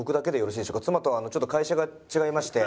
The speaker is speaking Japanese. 妻とはちょっと会社が違いまして。